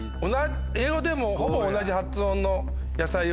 「英語でもほぼ同じ発音の野菜を」。